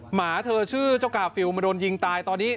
หมาเธอชื่อเจ้ากาฟิลมาโดนยิงตายตอนนี้